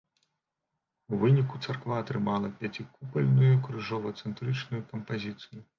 У выніку царква атрымала пяцікупальную крыжова-цэнтрычную кампазіцыю.